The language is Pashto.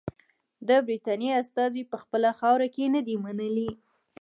د برټانیې استازي یې په خپله خاوره کې نه دي منلي.